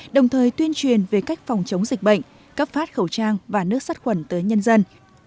đồng thời tuyên truyền về cách phòng chống dịch bệnh cấp phát khẩu trang và nước sát khuẩn tới nhân dân